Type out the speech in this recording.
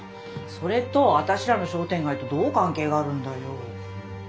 それと私らの商店街とどう関係があるんだよ？